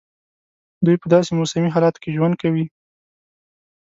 دوی په داسي موسمي حالاتو کې ژوند کوي.